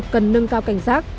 cần nâng cao cảnh giác